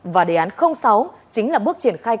và đề án sáu chính là bước triển khai